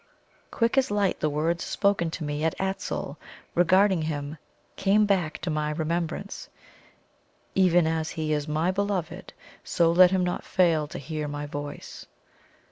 Quick as light the words spoken to me by Aztul regarding him came back to my remembrance: "Even as he is my Beloved, so let him not fail to hear my voice."